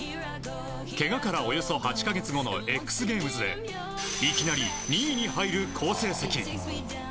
けがから、およそ８か月後のＸＧＡＭＥＳでいきなり２位に入る好成績。